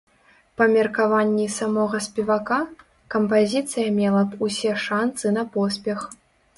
Па меркаванні самога спевака, кампазіцыя мела б усе шанцы на поспех.